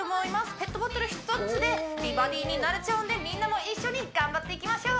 ペットボトル１つで美バディになれちゃうんでみんなも一緒に頑張っていきましょう！